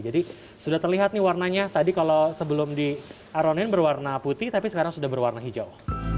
jadi sudah terlihat nih warnanya tadi kalau sebelum di aronin berwarna putih tapi sekarang sudah berwarna hijau